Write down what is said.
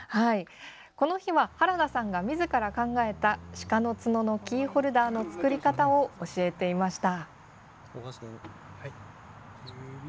この日は、原田さんがみずから考えた鹿の角のキーホルダーの作り方を教えていました。